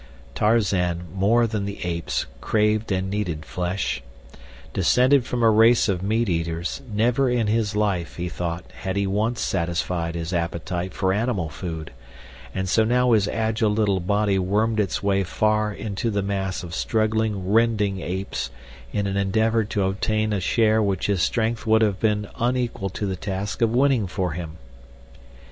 Tarzan, more than the apes, craved and needed flesh. Descended from a race of meat eaters, never in his life, he thought, had he once satisfied his appetite for animal food; and so now his agile little body wormed its way far into the mass of struggling, rending apes in an endeavor to obtain a share which his strength would have been unequal to the task of winning for him.